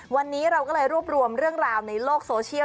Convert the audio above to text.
วันนี้เราก็เลยรวบรวมเรื่องราวในโลกโซเชียล